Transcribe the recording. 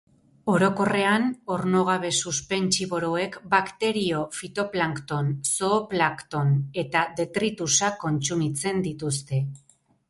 Orokorrean, ornogabe suspentsiboroek bakterio, fitoplankton, zooplankton eta detritusak kontsumitzen dituzte.